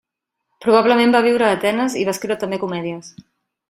Probablement va viure a Atenes, i va escriure també comèdies.